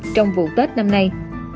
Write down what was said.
trong vụ tết năm nay